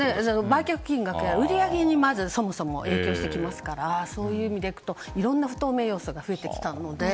売却金額や売り上げにそもそも影響してきますからそういう意味でいくといろんな不透明要素が増えてきたので。